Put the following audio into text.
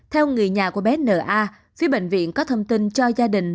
theo người nhà của bé n a phía bệnh viện có thông tin cho gia đình